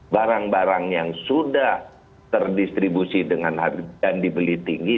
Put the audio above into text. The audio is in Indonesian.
barang barang yang sudah terdistribusi dan dibeli tinggi